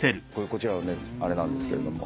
こちらがねあれなんですけれども。